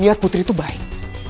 lihat putri itu baik